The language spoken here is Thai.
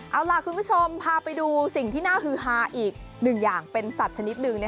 เอาล่ะคุณผู้ชมพาไปดูสิ่งที่น่าฮือฮาอีกหนึ่งอย่างเป็นสัตว์ชนิดหนึ่ง